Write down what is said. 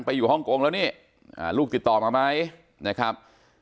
อยู่ฮ่องกงแล้วนี่ลูกติดต่อมาไหมนะครับ